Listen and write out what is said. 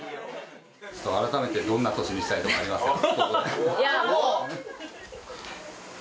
改めてどんな年にしたいと思いますか？